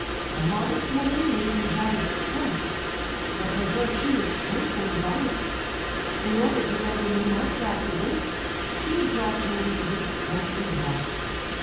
A modest woman may be ravished once, but her virtue is strengthened by it. In order to render me more tractable, he brought me to this country house.